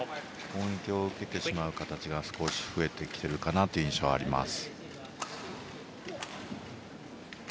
攻撃を受けてしまう形が少し増えてきている印象があります。